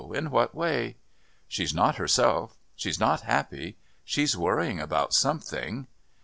No; in what way?" "She's not herself. She's not happy. She's worrying about something."